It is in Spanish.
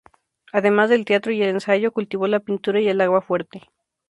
Además del teatro y el ensayo, cultivó la pintura y el aguafuerte.